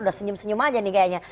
udah senyum senyum aja nih kayaknya